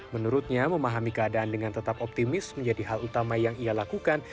menurutnya memahami keadaan dengan tetap optimis menjadi hal utama yang ia lakukan